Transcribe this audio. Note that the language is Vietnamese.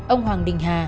ông hoàng đình hà